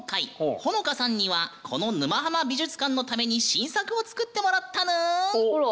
ほのかさんにはこの「沼ハマ」美術館のために新作を作ってもらったぬん！